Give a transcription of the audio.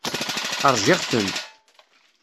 Ṛjiɣ-ten.